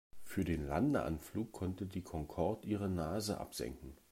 Für den Landeanflug konnte die Concorde ihre Nase absenken.